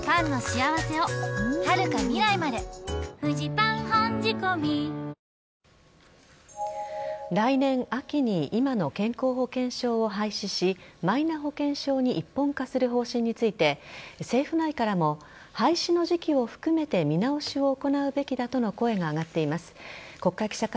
韓国メディアでは北朝鮮がロシアへの兵器支援の見返りに来年秋に今の健康保険証を廃止しマイナ保険証に一本化する方針について政府内からも廃止の時期を含めて見直しを行うべきだとの声が上がっています。